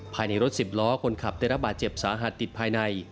ภายในรถสิบล้อคนขับได้รับบาดเจ็บสาหัสติดภายใน